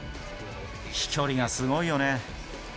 飛距離がすごいよね。